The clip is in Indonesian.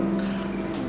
buku panduan haji